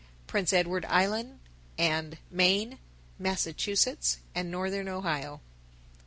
_Prince Edward Island and, Maine, Massachusetts, and Northern Ohio.